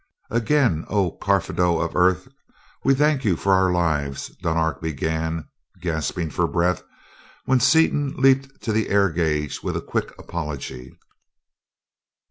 "Again, oh Karfedo of Earth, we thank you for our lives," Dunark began, gasping for breath, when Seaton leaped to the air gauge with a quick apology.